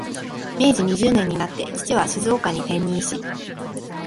明治二十年になって、父は静岡に転任し、